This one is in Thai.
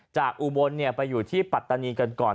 อุบลไปอยู่ที่ปัตตานีกันก่อน